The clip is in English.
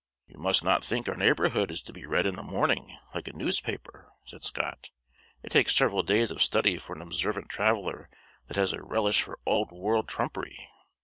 "You must not think our neighborhood is to be read in a morning, like a newspaper," said Scott. "It takes several days of study for an observant traveller that has a relish for auld world trumpery.